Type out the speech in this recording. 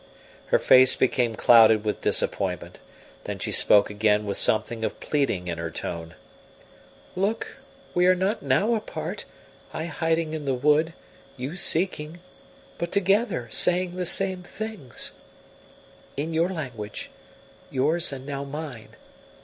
Her face became clouded with disappointment, then she spoke again with something of pleading in her tone. "Look, we are not now apart, I hiding in the wood, you seeking, but together, saying the same things. In your language yours and now mine.